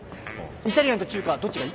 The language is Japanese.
イタリアンと中華どっちがいい？